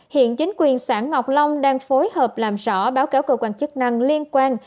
hiện chính quyền xã ngọc long đang phối hợp làm rõ báo cáo cơ quan chức năng liên quan